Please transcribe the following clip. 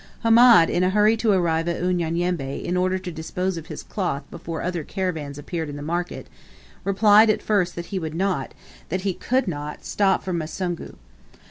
Hamed, in a hurry to arrive at Unyanyembe in order to dispose of his cloth before other caravans appeared in the market, replied at first that he would not, that he could not, stop for the Musungu.